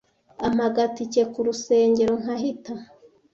ampa agatike ku rusengero nkahita